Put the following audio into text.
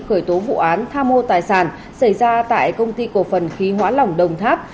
khởi tố vụ án tham mô tài sản xảy ra tại công ty cổ phần khí hóa lỏng đồng tháp